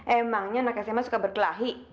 emangnya anak sma suka berkelahi